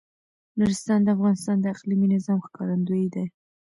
نورستان د افغانستان د اقلیمي نظام ښکارندوی ده.